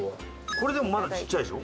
これでもまだちっちゃいでしょ？